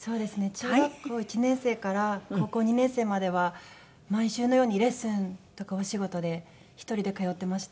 中学校１年生から高校２年生までは毎週のようにレッスンとかお仕事で１人で通ってました。